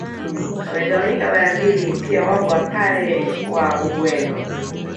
Wamegawanyika mara mbili pia wapo Wapare wa Ugweno